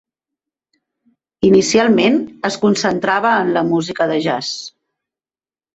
Inicialment es concentrava en la música de jazz.